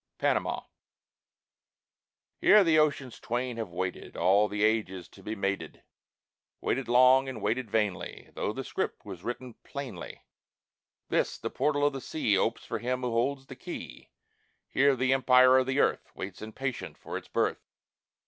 PANAMA Here the oceans twain have waited All the ages to be mated, Waited long and waited vainly, Though the script was written plainly: "This, the portal of the sea, Opes for him who holds the key; Here the empire of the earth Waits in patience for its birth."